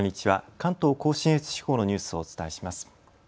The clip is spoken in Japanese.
関東甲信越地方のニュースをお伝えします。